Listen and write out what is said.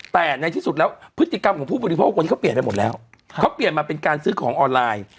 แต่ในที่สุดแล้วพฤติกรรมของผู้บริโภควันนี้เขาเปลี่ยนไปหมดแล้วเขาเปลี่ยนมาเป็นการซื้อของออนไลน์